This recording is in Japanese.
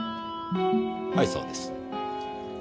はいそうです。